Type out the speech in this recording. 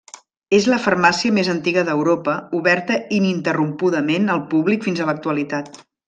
És la farmàcia més antiga d’Europa oberta ininterrompudament al públic fins a l'actualitat.